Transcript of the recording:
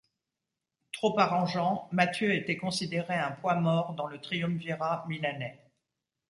Trop arrangeant, Mathieu était considéré un poids mort dans le triumvirat milanais.